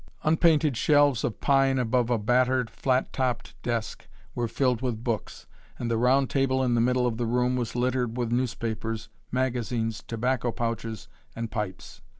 Unpainted shelves of pine above a battered, flat topped desk were filled with books, and the round table in the middle of the room was littered with newspapers, magazines, tobacco pouches, and pipes.